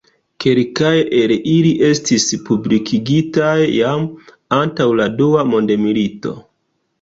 Kelkaj el ili estis publikigitaj jam antaŭ la dua mondmilito.